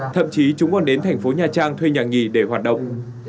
thậm chí chúng còn đến thành phố nha trang thuê nhà nghỉ để hoạt động